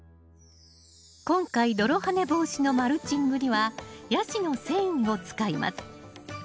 今回泥はね防止のマルチングにはヤシの繊維を使います。